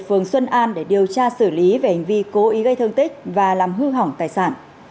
phường xuân an để điều tra xử lý về hành vi cố ý gây thương tích và làm hư hỏng tài sản